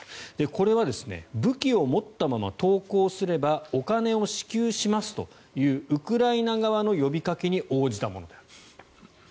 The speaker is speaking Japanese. これは武器を持ったまま投降すればお金を支給しますというウクライナ側の呼びかけに応じたものであると。